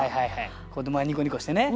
子どもはニコニコしてね。